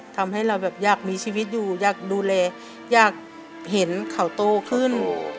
ทำให้เราแบบอยากมีชีวิตอยู่อยากดูแลอยากเห็นเขาโตขึ้น